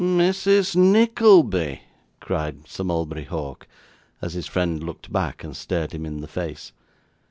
'Mrs. Nickleby!' cried Sir Mulberry Hawk, as his friend looked back, and stared him in the face.